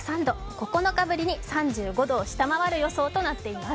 ９日ぶりに３５度を下回る予想となっています。